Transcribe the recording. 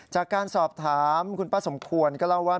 จากการสอบถามคุณป้าสมควรก็เล่าว่า